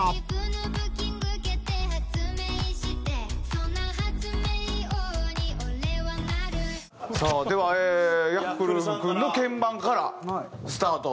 「そんな発明王にオレはなる」さあではＹａｆｆｌｅ君の鍵盤からスタート。